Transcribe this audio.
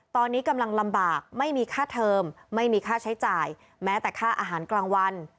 ตอนนี้กำลังลำบากไม่มีค่าเทอมไม่มีค่าใช้จ่ายแม้แต่ค่าอาหารกลางวัน